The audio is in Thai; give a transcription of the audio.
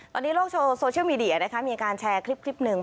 ตอนนี้โลกโซเชียลมีเดียนะคะมีการแชร์คลิปหนึ่ง